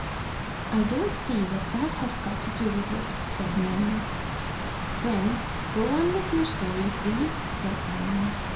"I don't see what that has got to do with it," said Nanny. "Then go on with your story, please," said Diamond.